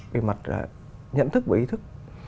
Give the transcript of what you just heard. về mặt là nhận thức và ý thức